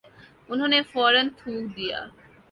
انہوں نے فورا تھوک دیا ۔